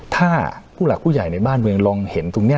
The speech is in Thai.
ถ้าผู้หลักผู้ใหญ่ในบ้านเมืองลองเห็นตรงนี้